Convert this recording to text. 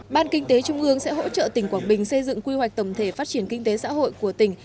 ban kinh tế trung ương sẽ hỗ trợ tỉnh quảng bình xây dựng quy hoạch tổng thể phát triển kinh tế xã hội của tỉnh